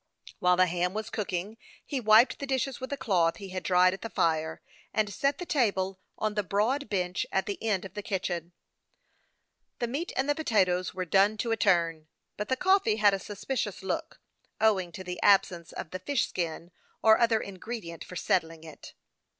While the ham was cooking, he wiped the dishes with a cloth he had dried at the fire, and set the THE YOUNG PILOT OF LAKE CHAMPLAIN. 183 table on the broad bench at the end of the kitchen. The meat and the potatoes were " done to a turn," but the coffee had a suspicious look, owing to the absence of the fish skin, or other ingredient, for set tling it.